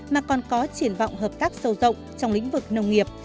mà còn có triển vọng hợp tác sâu rộng trong lĩnh vực nông nghiệp